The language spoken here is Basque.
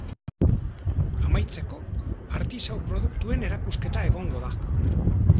Amaitzeko, artisau produktuen erakusketa egongo da.